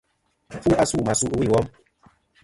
Fu asû mà su ɨwûyn ɨ wom.